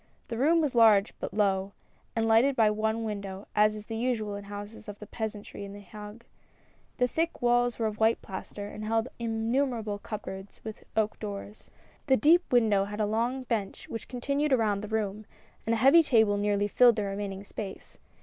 The room was large but low, and lighted by one window, as is usual in the houses of the peasantry in the Hague ; the thick walls were of white plaster, and held innumerable cupboards with oak doors. The deep window had a low bench which continued around the room, and a heavy table nearly filled the remaining space.